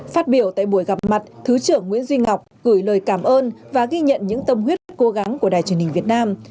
phát biểu tại buổi gặp mặt thứ trưởng nguyễn duy ngọc gửi lời cảm ơn và ghi nhận những tâm huyết cố gắng của đài truyền hình việt nam